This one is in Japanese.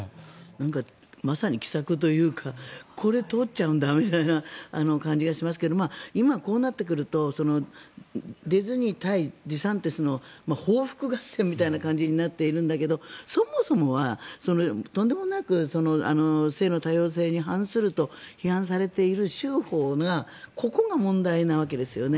なんかまさに奇策というかこれ、通っちゃうんだみたいな感じがしますが今、こうなってくるとディズニー対デサンティスの報復合戦みたいな感じになってるんだけど、そもそもはとんでもなく性の多様性に反すると批判されている州法がここが問題なわけですよね。